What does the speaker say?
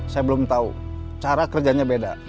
saya belum tahu cara kerjanya beda